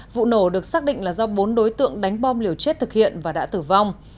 vụ nổ được xác định là do bốn đối tượng đánh bom liều chết thực hiện và đã tử vong